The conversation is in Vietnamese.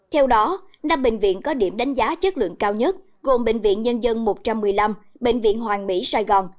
theo đó năm bệnh viện có điểm đánh giá chất lượng cao nhất gồm bệnh viện nhân dân một trăm một mươi năm bệnh viện hoàng mỹ sài gòn